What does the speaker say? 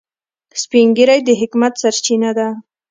سپین ږیری د حکمت سرچینه ده